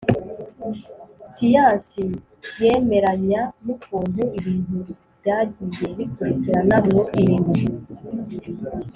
Siyansi yemeranya n ukuntu ibintu byagiye bikurikirana mu irema